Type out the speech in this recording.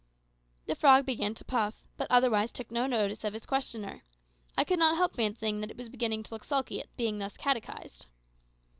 '" The frog continued to puff, but otherwise took no notice of its questioner. I could not help fancying that it was beginning to look sulky at being thus catechised.